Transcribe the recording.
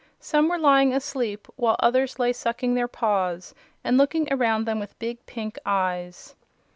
Some were lying asleep while others lay sucking their paws and looking around them with big pink eyes.